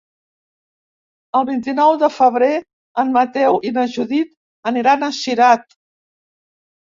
El vint-i-nou de febrer en Mateu i na Judit aniran a Cirat.